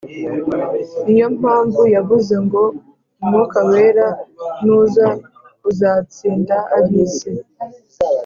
Niyo mpamvu yavuze ngo umwuka wera nuza uzatsinda ab’isi.